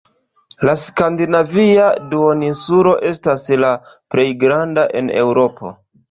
La Skandinavia duoninsulo estas la plej granda en Eŭropo.